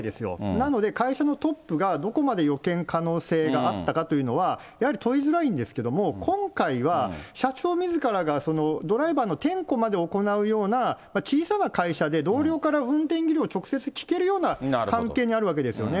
なので、会社のトップがどこまで予見可能性があったかというのは、やはり問いづらいんですけれども、今回は社長みずからがドライバーの点呼まで行うような、小さな会社で、同僚から運転技量を直接聞けるような関係にあるわけですよね。